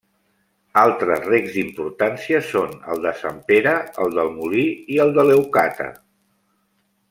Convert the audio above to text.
Altres recs d'importància són el de Sant Pere, el del Molí i el de Leucata.